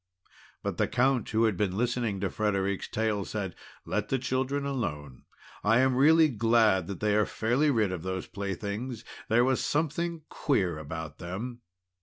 But the Count, who had been listening to Frederic's tale, said: "Let the children alone. I am really glad that they are fairly rid of those playthings. There was something queer about them."